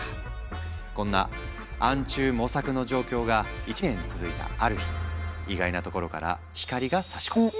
こんな暗中模索の状況が１年続いたある日意外なところから光がさし込む。